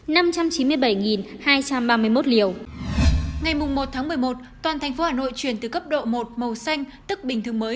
ngày một một mươi một toàn thành phố hà nội chuyển từ cấp độ một màu xanh tức bình thường mới